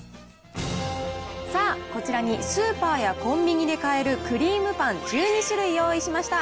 さあ、こちらにスーパーやコンビニで買えるクリームパン１２種類用意しました。